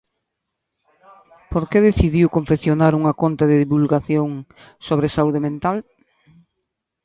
Por que decidiu confeccionar unha conta de divulgación sobre saúde mental?